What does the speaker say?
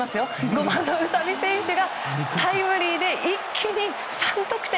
５番の宇佐見選手がタイムリーで一気に３得点。